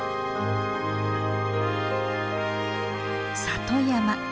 里山。